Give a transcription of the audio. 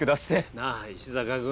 なあ石坂君。